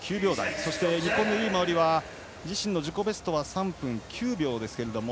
そして、日本の由井真緒里は自身の自己ベストは３分９秒。